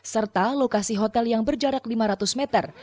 serta lokasi hotel yang berjarak lima ratus meter